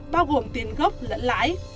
bao gồm tiền gốc lẫn lãi